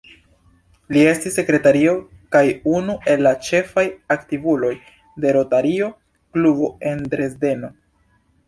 Li estis sekretario kaj unu el la ĉefaj aktivuloj de Rotario-klubo en Dresdeno.